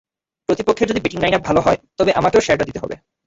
প্রতিপক্ষের যদি batting lineup ভালো হয়, তবে আমাকেও সেরাটা দিতে হবে।